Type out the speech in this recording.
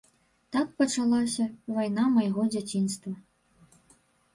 Так пачалася вайна майго дзяцінства.